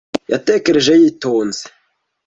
Yatekereje yitonze.